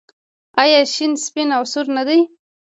آیا شین سپین او سور نه دي؟